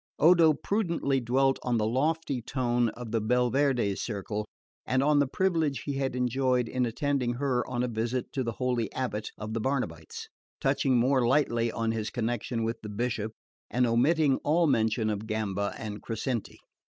Odo prudently dwelt on the lofty tone of the Belverde's circle, and on the privilege he had enjoyed in attending her on a visit to the holy Abbot of the Barnabites; touching more lightly on his connection with the Bishop, and omitting all mention of Gamba and Crescenti.